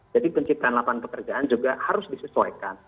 jadi penciptaan lapangan pekerjaan juga harus disesuaikan